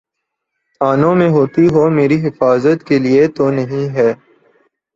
تھانوں میں ہوتی ہو، میری حفاظت کے لیے تو نہیں ہے۔